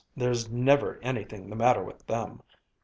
there's never anything the matter with them.